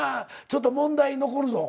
ちょっと問題残るぞ。